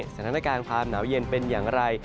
สถานการณ์ความหนาวเย็นเป็นอย่างไร